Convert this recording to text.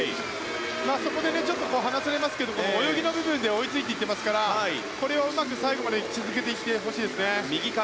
そこで、ちょっと離されますけど泳ぎの部分で追いついていますからこれをうまく最後まで続けていってほしいですね。